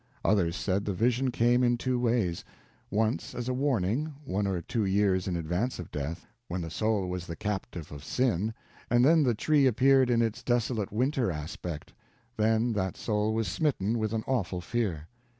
Others said the vision came in two ways: once as a warning, one or two years in advance of death, when the soul was the captive of sin, and then the Tree appeared in its desolate winter aspect—then that soul was smitten with an awful fear.